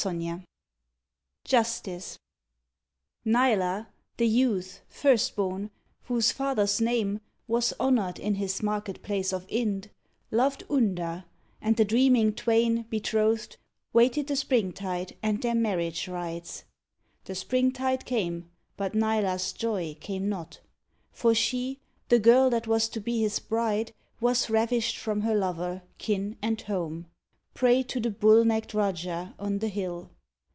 95 JUSTICE Nila the youth, first born, whose father's name Was honored in his market place of Ind, Loved Unda, and the dreaming twain, betrothed, Waited the springtide and their marriage rites. The springtide came, but Nila's joy came not, For she, the girl that was to be his bride, Was ravished from her lover, kin and home — Prey to the bull necked Rajah on the hill.